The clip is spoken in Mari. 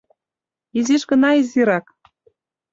Изиш гына изирак.